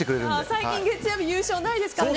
最近月曜日優勝ないですからね